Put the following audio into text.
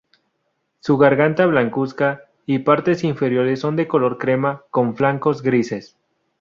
Su garganta blancuzca y partes inferiores son de color crema con flancos grises.